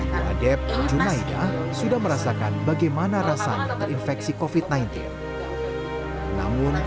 berlapis sensor itu precek rumah veranda t gown kadang kisah echt pycar mau ally circones dari dekorasi nggak kebel belahan